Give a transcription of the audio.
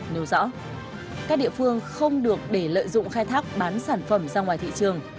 nếu rõ các địa phương không được để lợi dụng khai thác bán sản phẩm ra ngoài thị trường